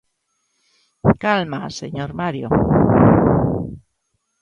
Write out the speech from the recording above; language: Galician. Calma, señor Mario.